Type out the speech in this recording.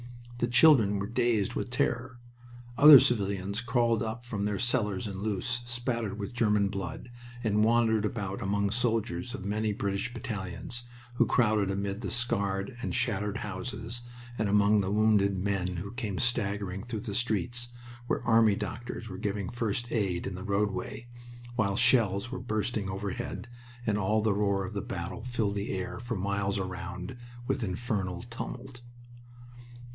The children were dazed with terror. Other civilians crawled up from their cellars in Loos, spattered with German blood, and wandered about among soldiers of many British battalions who crowded amid the scarred and shattered houses, and among the wounded men who came staggering through the streets, where army doctors were giving first aid in the roadway, while shells were bursting overhead and all the roar of the battle filled the air for miles around with infernal tumult.